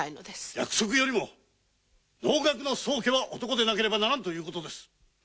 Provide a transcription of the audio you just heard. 約束よりも能楽の宗家は男でなければならんということです。